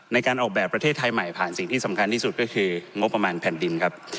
ในการออกแบบประเทศไทยใหม่ผ่านสิ่งที่สำคัญที่สุดก็คืองบประมาณแผ่นดินครับ